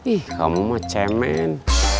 ihh kamu mau cemewan